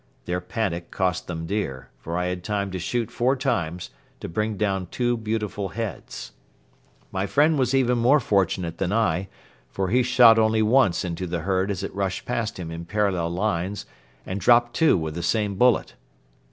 Their panic cost them dear, for I had time to shoot four times to bring down two beautiful heads. My friend was even more fortunate than I, for he shot only once into the herd as it rushed past him in parallel lines and dropped two with the same bullet.